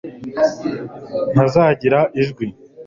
ntazagira ijwi